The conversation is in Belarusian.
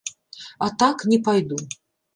А так, не пайду.